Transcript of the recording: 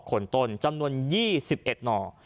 ขนต้นจำนวน๒๑หน่อ